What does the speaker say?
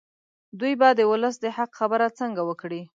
دوی به د ولس د حق خبره څنګه وکړي.